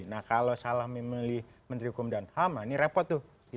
nah kalau salah memilih menteri hukum dan ham ini repot tuh